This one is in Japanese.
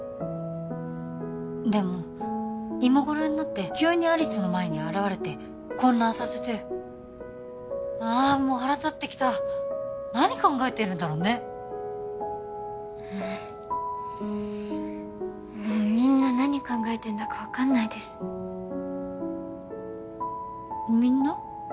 でも今頃になって急に有栖の前に現れて混乱させてああもう腹立ってきた何考えてるんだろうねもうみんな何考えてんだか分かんないですみんな？